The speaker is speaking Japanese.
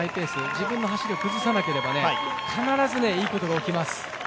自分の走りを崩さなければ、必ずいいことが起きます。